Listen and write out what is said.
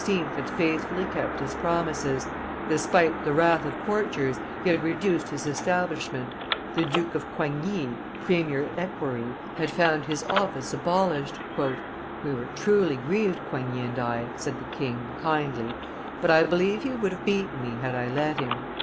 had faithfully kept his promises; despite the wrath of courtiers, he had reduced his establishment. The Duke of Coigny, premier equerry, had found his office abolished. "We were truly grieved, Coigny and I," said the king, kindly, "but I believe he would have beaten me had I let him."